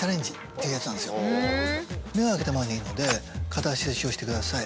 目を開けたままでいいので片足立ちをしてください。